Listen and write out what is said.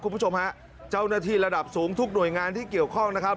คุณผู้ชมฮะเจ้าหน้าที่ระดับสูงทุกหน่วยงานที่เกี่ยวข้องนะครับ